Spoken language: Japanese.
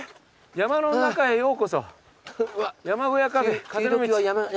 「山の中へようこそ山小屋カフェ風の道」